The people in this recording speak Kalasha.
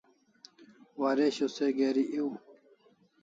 Waresho se geri ew